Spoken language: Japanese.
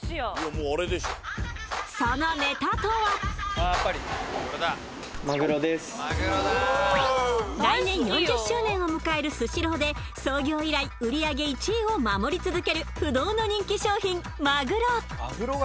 そのネタとは来年４０周年を迎えるスシローで創業以来売り上げ１位を守り続ける不動の人気商品、まぐろ。